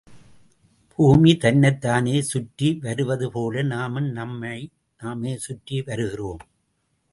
பூமி தன்னைத்தானே சுற்றி வருவது போல நாமும் நம்மை நாமே சுற்றி வருகிறோம்.